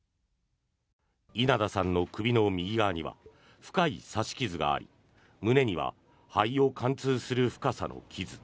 稲田さんの首の右側には深い刺し傷があり胸には肺を貫通する深さの傷。